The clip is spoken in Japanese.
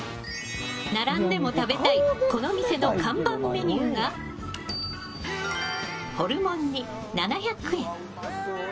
並んでも食べたいこの店の看板メニューがホルモン煮、７００円。